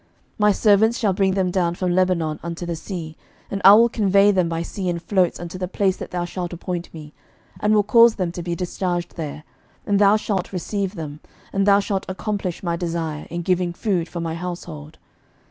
11:005:009 My servants shall bring them down from Lebanon unto the sea: and I will convey them by sea in floats unto the place that thou shalt appoint me, and will cause them to be discharged there, and thou shalt receive them: and thou shalt accomplish my desire, in giving food for my household.